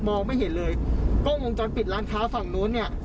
ไม่เห็นเลยกล้องวงจรปิดร้านค้าฝั่งนู้นเนี่ย